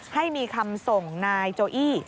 ให้มีคำส่งนายโจอี้